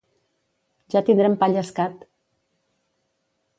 Ja tindrem pa llescat!